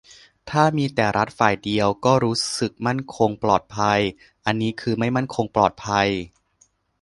ถ้ามีแต่รัฐฝ่ายเดียวที่รู้สึกมั่นคงปลอดภัย อันนี้คือไม่มั่นคงปลอดภัย